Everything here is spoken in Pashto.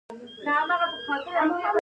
ایا ستاسو سترګې به پټې نه شي؟